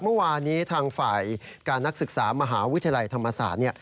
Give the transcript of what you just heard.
เมื่อวานนี้ทางฝ่ายการนักศึกษามหาวิทยาลัยธรรมศาสตร์